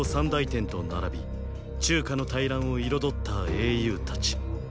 天と並び中華の大乱を彩った英雄たち。